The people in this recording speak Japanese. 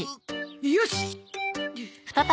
よし。